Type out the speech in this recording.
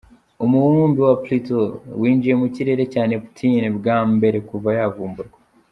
Umubumbe wa Pluto winjiye mu kirere cya Neptune bwa mbere kuva yavumburwa.